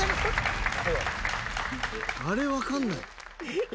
あれ分かんない？